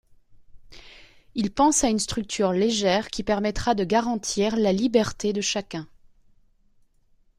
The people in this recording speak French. Il pense à une structure légère qui permettra de garantir la liberté de chacun.